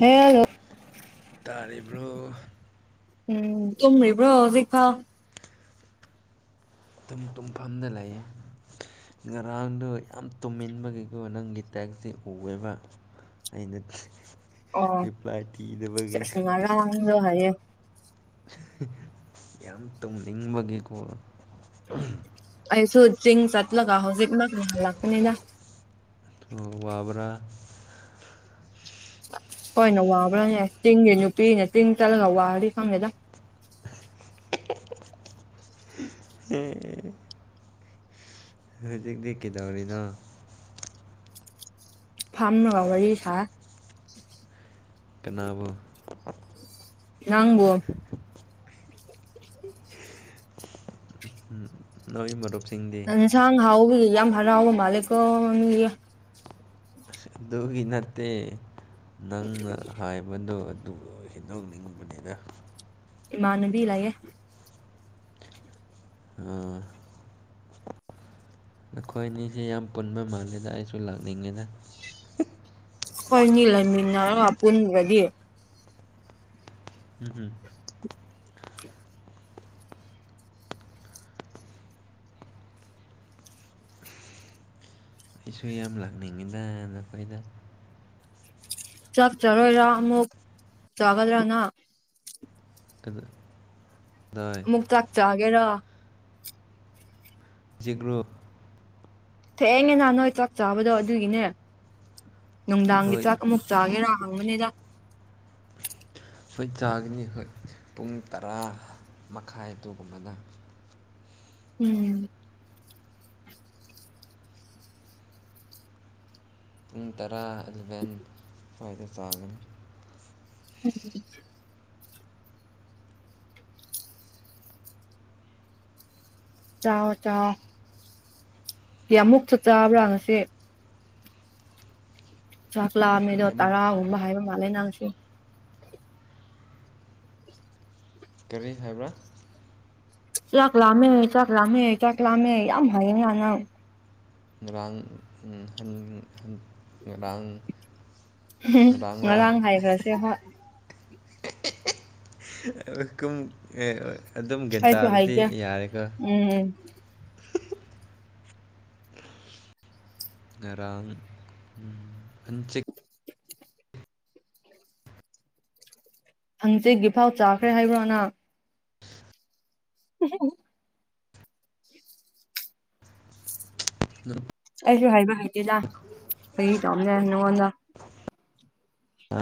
hello ꯇꯥꯔꯤꯕ꯭ꯔꯣ ꯎꯝ ꯇꯨꯝꯔꯤꯕ꯭ꯔꯣ ꯍꯧꯖꯤꯛꯐꯥꯎ ꯇꯨꯡ ꯇꯨꯡꯐꯝꯗ ꯂꯩ ꯉꯔꯥꯡꯗꯣ ꯌꯥꯝ ꯇꯨꯝꯃꯤꯟꯕꯒꯤꯀꯣ ꯅꯪꯒꯤ ꯇꯦꯛꯁꯦ ꯎꯋꯦꯕ ꯑꯩꯅ ꯑꯣ ꯔꯤꯄ꯭ꯂꯥꯏ ꯄꯤꯗꯕꯒꯤꯅꯤ [unintelligible] ꯍꯥꯏꯌꯦ ꯌꯥꯝ ꯇꯨꯝꯅꯤꯡꯕꯒꯤꯀꯣ ꯑꯩꯁꯨ ꯆꯤꯡ ꯆꯠꯂꯒ ꯍꯧꯖꯤꯛ ꯃꯛ ꯍꯟꯂꯛꯄꯅꯤꯗ ꯑꯣ ꯋꯥꯕ꯭ꯔ ꯍꯣꯏꯅ ꯋꯥꯕ꯭ꯔꯥꯅꯦ ꯇꯤꯡꯒꯤ ꯅꯨꯄꯤꯅ ꯇꯤꯡ ꯇꯜꯂꯒ ꯋꯥꯔꯗꯤ ꯈꯪꯗꯦꯗ ꯑꯦ ꯑꯦ ꯍꯧꯖꯤꯛꯇꯤ ꯀꯩꯗꯧꯔꯤꯅꯣ ꯐꯥꯝꯂꯒ ꯋꯥꯔꯤ ꯁꯥꯏ ꯀꯅꯥꯕꯨ ꯅꯪꯕꯨ ꯅꯣꯏ ꯃꯔꯨꯞꯁꯦ ꯌꯦꯟꯁꯥꯡ ꯍꯥꯎꯕꯒꯤ ꯌꯥꯝ ꯍꯔꯥꯎꯕ ꯃꯥꯂꯦꯀꯣ ꯃꯤꯗꯤ ꯑꯁ ꯑꯗꯨꯒꯤ ꯅꯠꯇꯦ ꯅꯪꯅ ꯍꯥꯏꯕꯗꯣ ꯑꯗꯨꯕꯨ ꯍꯦꯟꯗꯣꯛꯅꯤꯡꯕꯅꯤꯅ ꯏꯃꯥꯅꯕꯤ ꯂꯩꯌꯦ ꯑꯝ ꯅꯈꯣꯏ ꯑꯅꯤꯁꯦ ꯌꯥꯝ ꯄꯨꯟꯕ ꯃꯥꯜꯂꯦꯗ ꯑꯩꯁꯨ ꯂꯥꯛꯅꯤꯡꯉꯦꯗ ꯍꯣꯏꯅꯤ ꯂꯩꯅꯤꯟꯅꯔꯒ ꯄꯨꯨꯟꯗ꯭ꯔꯗꯤ ꯎꯝ ꯎꯝ ꯑꯩꯁꯨ ꯌꯥꯝ ꯂꯥꯛꯅꯤꯡꯉꯤꯗ ꯅꯈꯣꯏꯗ ꯆꯥꯛ ꯆꯔꯣꯏꯔ ꯑꯃꯨꯛ ꯆꯥꯒ꯭ꯔꯗ ꯅꯪ ꯑꯗꯨ [unintelligible] ꯆꯥꯛꯆꯥꯒꯦꯔ ꯍꯧꯖꯤꯛ ꯂꯣ ꯊꯦꯡꯅꯦ ꯅ ꯅꯣꯏ ꯆꯥꯛ ꯆꯥꯕꯗꯣ ꯑꯗꯨꯒꯤꯅꯦ ꯅꯨꯡꯗꯥꯡꯒꯤ ꯍꯣꯏ ꯆꯥꯛ ꯑꯃꯨꯛ ꯆꯥꯒꯦꯔꯥꯥ ꯍꯪꯕꯅꯤꯗ ꯍꯣꯏ ꯆꯥꯒꯅꯤ ꯍꯣꯏ ꯄꯨꯡ ꯇꯔꯥ ꯃꯈꯥꯏ ꯑꯗꯨꯒꯨꯝꯕꯗ ꯎꯝ ꯄꯨꯡ ꯇꯔꯥ ꯑꯦꯂꯚꯦꯟ ꯁ꯭ꯋꯥꯏꯗ ꯆꯥꯒꯅꯤ ꯎ ꯆꯥꯎꯣ ꯆꯣ ꯃꯨꯛ ꯆꯠ ꯆꯥꯕ꯭ꯔꯥ ꯉꯁꯦ ꯆꯥꯛꯂꯥ ꯃꯤꯗꯣ ꯌꯥꯝ ꯇꯔꯥ ꯍꯨꯝꯕ ꯍꯥꯏꯕ ꯃꯥꯜꯂ ꯅꯪꯁꯨ ꯀꯔꯤ ꯍꯥꯏꯕ꯭ꯔꯥ ꯆꯥꯛ ꯂꯥꯝꯃꯦ ꯆꯥꯛ ꯂꯥꯝꯃꯦ ꯆꯥꯛ ꯂꯥꯝꯃꯦ ꯌꯥꯝ ꯍꯥꯏꯌꯦ ꯌꯥꯅꯪ ꯉꯔꯥꯡ ꯉꯔꯥꯡ ꯎꯝ ꯉꯔꯥꯡ ꯍꯥꯏꯈ꯭ꯔꯁꯦ ꯍꯣꯏ [unintelligible] ꯀꯨꯝ ꯑꯗꯨꯝ ꯒ꯭ꯌꯥꯟ ꯑꯩꯁꯨ ꯇꯥꯔꯗꯤ ꯍꯥꯏꯒꯦ ꯌꯥꯔꯦꯀꯣ ꯎꯝ ꯉꯔꯥꯡ ꯎꯝ ꯍꯪꯆꯤꯛ ꯍꯪꯆꯦꯒꯤꯐꯥꯎ ꯆꯥꯈ꯭ꯔꯦ ꯍꯥꯏꯕ꯭ꯔꯣ ꯅꯪ [unintelligible] [unintelligible] ꯑꯩꯁꯨ ꯍꯥꯏꯕ ꯍꯇꯦꯗ ꯀ ꯇꯣꯝꯅꯦ ꯅꯉꯣꯟꯗ ꯑ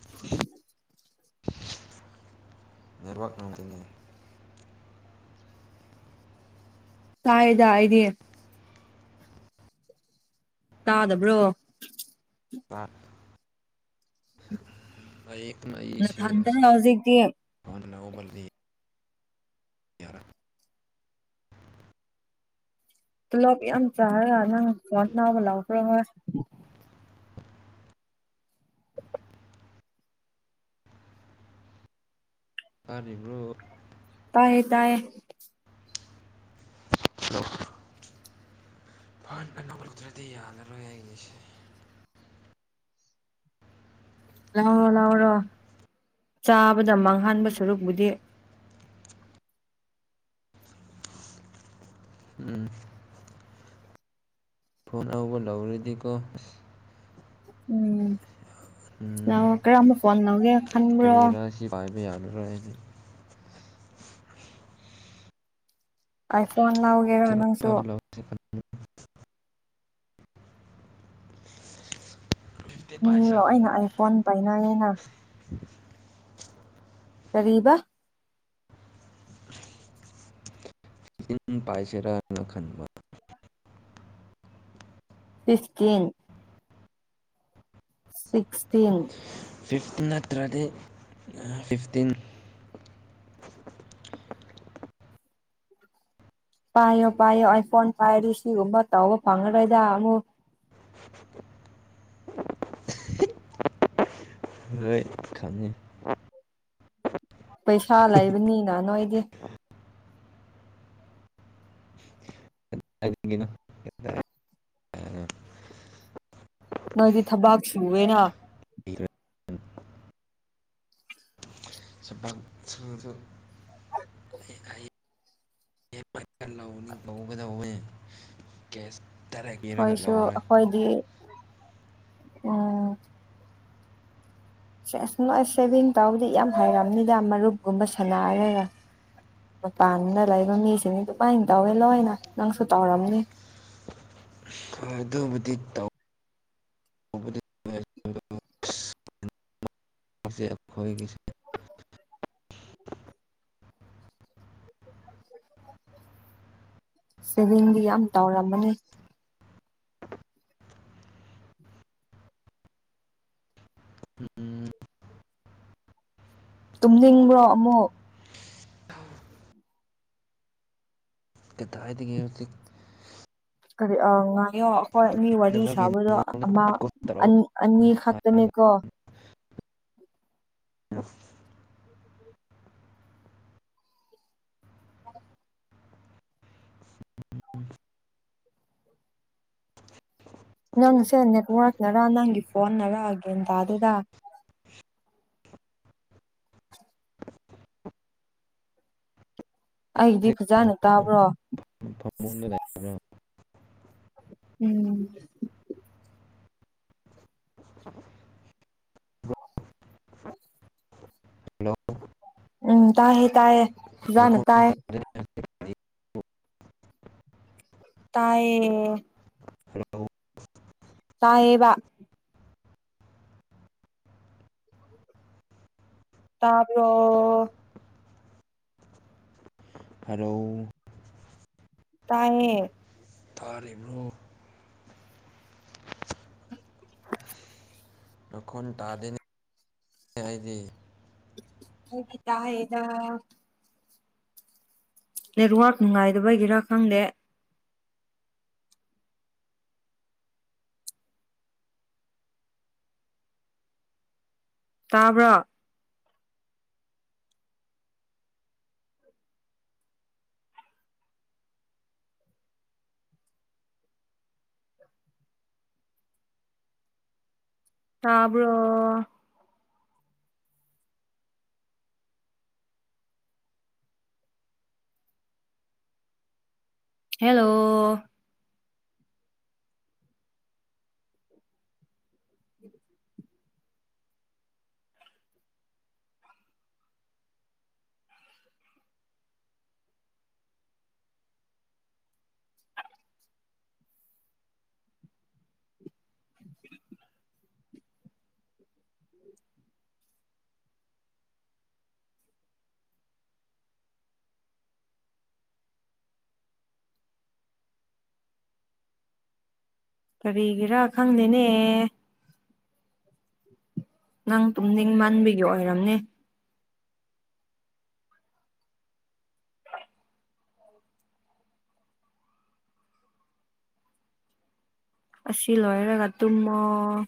[inaudible] ꯅꯦꯠꯋꯥꯛ ꯉꯝꯖꯅꯤꯡꯉꯩ ꯀꯥꯏꯗ ꯏꯗꯤ ꯇꯥꯗꯕ꯭ꯔꯣ ꯑ ꯅ ꯏꯁ ꯅꯊꯟꯇꯔ ꯍꯧꯖꯤꯛꯇꯤ ꯐꯅ ꯎꯕꯜꯗꯤ ꯌꯥꯔꯥ ꯄꯨꯂꯞ ꯌꯥꯝ ꯆꯥꯔꯒ ꯅꯪ ꯄꯠ ꯅꯥꯎꯕ ꯂꯥꯎꯈ꯭ꯔ ꯍꯣꯏ ꯀꯅꯤꯕꯨ꯭ꯔꯣ ꯇꯥꯏꯌꯦ ꯇꯥꯏꯌꯦ ꯐꯍꯟꯕ ꯅꯝꯔꯛꯇ꯭ꯔꯗꯤ ꯌꯥꯔꯔꯣꯏ ꯑꯩꯉꯁꯦ ꯂꯥꯎꯔꯣ ꯂꯥꯎꯔꯣ ꯆꯥꯕꯗ ꯃꯥꯡꯍꯟꯕ ꯁꯔꯨꯛꯕꯨꯨꯗꯤ ꯎꯝ ꯐꯣꯟ ꯑꯕ ꯂꯧꯧꯔꯤꯗꯤꯀꯣ ꯎꯝ ꯌꯥ ꯎꯝ ꯀꯔ ꯑꯃꯝꯕ ꯐꯣꯟ ꯂꯒꯦ ꯈꯅꯤꯡꯕ꯭ꯔꯣ ꯀ ꯄꯥꯏꯃꯤ ꯌꯥꯅꯔꯅꯤ ꯑꯥꯏ ꯐꯣꯟ ꯂꯥꯎꯒꯦꯔꯥ ꯀꯔꯝ ꯅꯪꯁꯨ [inaudible] ꯐꯤꯐꯇꯤ ꯎꯝ ꯄꯥꯏꯁꯥ ꯂ ꯑꯩꯅ ꯈꯟꯕꯅꯦ ꯑꯥꯏ ꯐꯣꯟ ꯄꯥꯏꯅ ꯑꯩꯅ ꯇꯔꯤꯕ ꯄꯥꯏꯁꯦꯔꯥꯅ ꯈꯟꯕ ꯐꯤꯐꯇꯤꯟ ꯁꯤꯛꯁꯇꯤꯟ ꯐꯤꯐꯇꯤꯟ ꯅꯠꯇ꯭ꯔꯗꯤ ꯑ ꯐꯤꯐꯇꯤꯟ ꯄꯥꯏꯌꯣ ꯄꯥꯏꯌꯣ ꯑꯥꯏꯐꯣꯟ ꯄꯥꯏꯔꯗꯤ ꯁꯤꯒꯨꯝꯕ ꯇꯧꯕ ꯐꯪꯉꯔꯣꯏꯗꯥ ꯑꯃꯨꯛ ꯍꯣꯏ ꯈꯅꯤ ꯄꯩꯁꯥ ꯂꯩꯕꯅꯤꯅ ꯅꯣꯏꯗꯤ ꯍꯥꯏꯅꯤꯡꯒꯤꯅꯣ ꯑꯦꯗ ꯅꯣꯏꯗꯤ ꯊꯕꯥꯛ ꯁꯨꯑꯦꯅ ꯂꯩꯔ ꯁ ꯁꯁꯨ [unintelligible] ꯇꯧꯒꯗꯧꯋꯦ ꯀꯦꯁ ꯗꯥꯏꯔꯦꯛ ꯄꯤꯔꯒ ꯍꯣꯏꯁꯨ ꯂꯧꯔꯣꯏ ꯑꯈꯣꯏꯗꯤ ꯎꯝ ꯁ ꯑꯁ ꯅꯣꯏ ꯁꯦꯚꯤꯡ ꯇꯧꯕꯗꯤ ꯌꯥꯝ ꯍꯩꯔꯝꯅꯤꯗ ꯃꯔꯨꯞꯀꯨꯝꯕ ꯁꯥꯟꯅꯔꯒ ꯃꯄꯥꯟꯗ ꯂꯩꯕ ꯃꯤꯁꯤꯡꯅꯤ ꯑꯗꯨꯃꯥꯏꯅ ꯇꯧꯋꯦ ꯂꯣꯏꯅ ꯅꯪꯁꯨ ꯇꯧꯔꯝꯅꯤ ꯍꯣꯏ ꯑꯗꯨꯕꯨꯗꯤ ꯇꯧ ꯃꯁꯤ ꯑꯩꯈꯣꯏꯒꯤꯁꯦ ꯁꯦꯚꯤꯡꯗꯤ ꯌꯥꯝ ꯇꯧꯔꯝꯝꯕꯅꯤ [unintelligible] ꯇꯨꯝꯅꯤꯡꯕ꯭ꯔꯣ ꯑꯃꯨꯛ [inaudible] ꯀꯗꯥꯏꯗꯒꯤ ꯍꯧꯖꯤꯛ ꯀꯔꯤ ꯑ ꯉꯥꯏꯌꯣ ꯑꯩꯈꯣꯏ ꯃꯤ ꯋꯥꯔꯤ ꯗꯕꯒꯤ ꯁꯥꯕꯗꯣ ꯅꯉꯣꯟꯗ ꯑꯃ ꯀꯣꯜ ꯇꯧꯔꯛꯑꯣ ꯑꯅꯤ ꯑꯅꯤ ꯍꯥꯏꯔꯒ ꯈꯛꯇꯅꯦꯀꯣ [inaudible] ꯅꯪꯁꯦ ꯅꯦꯠꯋ꯭ꯔꯛꯅꯔ ꯅꯪꯒꯤ ꯐꯣꯟꯅꯔ ꯒ꯭ꯌꯥꯟ ꯇꯥꯗꯦꯗ ꯑꯩꯒꯤꯗꯤ ꯐꯖꯅ ꯇꯥꯕ꯭ꯔꯣ ꯐꯝꯃꯨꯡꯗ [inaudible] ꯎꯝ [unintelligible] ꯍꯜꯂꯣ ꯎꯝ ꯇꯥꯏꯍꯦ ꯇꯥꯏꯌꯦ ꯐꯥꯖꯅ ꯅꯈꯣꯟ ꯇꯥꯏ ꯇꯥꯗꯦꯅꯦ ꯇꯥꯏꯌꯦ ꯍꯂꯥꯎ ꯇꯥꯌꯦꯕ ꯇꯕ꯭ꯔꯣ ꯍꯂꯣ ꯇꯥꯏꯌꯦ ꯊꯥꯂꯤꯕ꯭ꯔꯣ [unintelligible] ꯃꯈꯣꯟ ꯇꯥꯗꯦꯅꯤ ꯍꯥꯏꯗꯤ ꯍꯒꯤ ꯇꯥꯌꯦꯗ ꯅꯦꯠꯋꯥꯔꯛ ꯅꯨꯡꯉꯥꯏꯗꯕꯒꯤꯔꯥ ꯈꯪꯗꯦ ꯇꯥꯕ꯭ꯔꯣ ꯇꯕ꯭ꯔꯣ ꯍꯦꯜꯂꯣ ꯀꯔꯤꯒꯤꯔꯥ ꯈꯪꯗꯦꯅꯦ ꯅꯪ ꯇꯨꯝꯅꯤꯡ ꯃꯥꯟꯕꯤꯒꯤ ꯑꯣꯏꯔꯝꯅꯦ ꯑꯁꯤ ꯂꯣꯏꯔꯒ ꯇꯨꯝꯃꫭ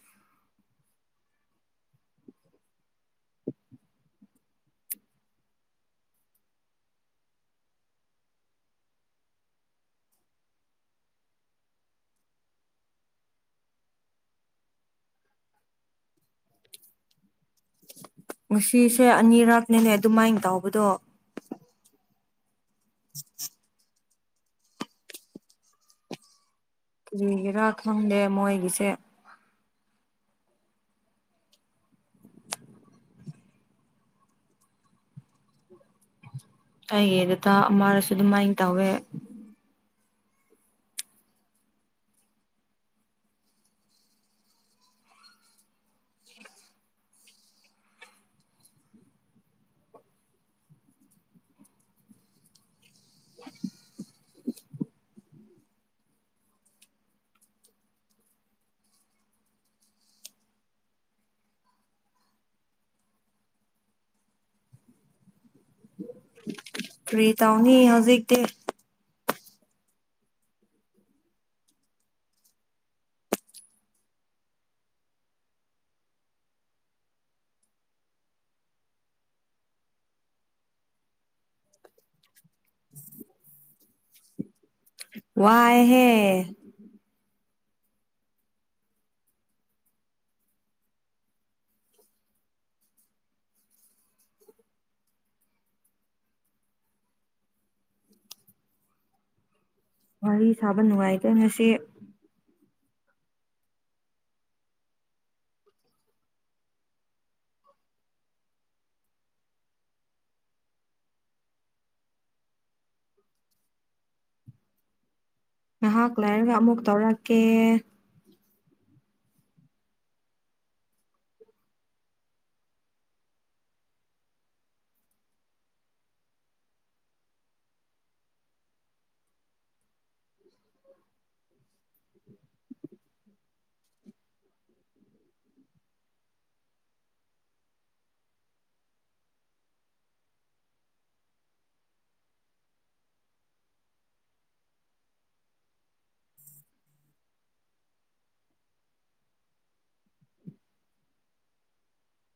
ꯉꯁꯤꯁꯦ ꯑꯅꯤꯔꯛꯅꯤꯅꯦ ꯑꯗꯨꯃꯥꯏꯅ ꯇꯧꯕꯗꯣ [unintelligible] ꯀꯨꯔꯤꯒꯦꯔꯥ ꯈꯪꯗꯦ ꯃꯣꯏꯒꯤꯁꯦ ꯑꯩꯒꯤ ꯗꯗꯥ ꯑꯃꯔꯁꯨ ꯑꯗꯨꯃꯥꯏꯅ ꯇꯧꯋꯦ ꯀꯔꯤ ꯇꯧꯅꯤ ꯍꯧꯖꯤꯛꯗꯤ ꯋꯥꯏꯍꯦ ꯋꯥꯔꯤ ꯁꯥꯕ ꯅꯨꯡꯉꯥꯏꯇ ꯉꯁꯤ ꯉꯍꯥꯛ ꯂꯩꯥꯏꯔꯒ ꯑꯃꯨꯛ ꯇꯧꯔꯛꯀꯦ